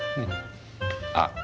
あっ！